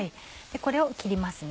これを切りますね。